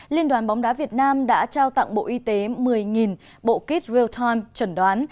liên đoàn bóng đá việt nam đã trao tặng bộ y tế một mươi bộ kit real time chuẩn đoán